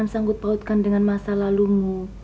sanggup pautkan dengan masa lalumu